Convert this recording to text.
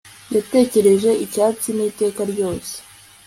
Yatekereje icyatsi niteka ryose